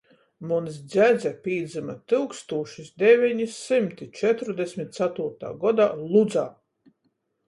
Muns dzedze pīdzyma tyukstūšys deveni symti četrudesmit catūrtā godā Ludzā.